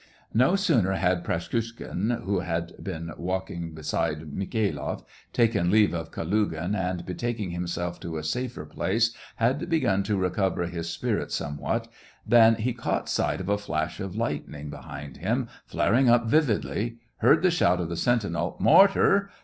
No sooner had Praskukhin, who had been walk ing beside Mikhailoff, taken leave of Kalugin, and, betaking himself to a safer place, had begun to recover his spirits somewhat, than he caught sight of a flash of lightning behind him flaring up vividly, heard the shout of the sentinel, "Mor tar